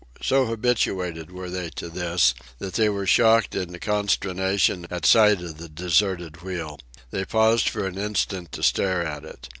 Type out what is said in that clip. So habituated were they to this, that they were shocked into consternation at sight of the deserted wheel. They paused for an instant to stare at it.